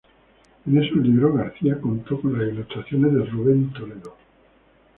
En esos libros, García contó con las ilustraciones de Ruben Toledo.